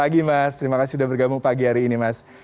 pagi mas terima kasih sudah bergabung pagi hari ini mas